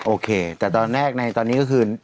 โอเคแต่ตอนแรกในตอนนี้ก็คือ